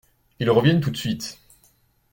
Ils reviennent tout de suite.